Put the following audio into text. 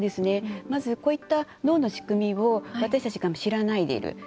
まず、こういった脳の仕組みを私たちが知らないでいる。